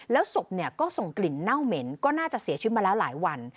แล้วศพก็ส่งกลิ่นเน่าเหม็นก็น่าจะเสียชีวิตมาแล้วหลายวัน